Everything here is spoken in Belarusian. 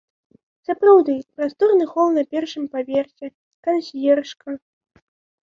Сапраўды, прасторны хол на першым паверсе, кансьержка.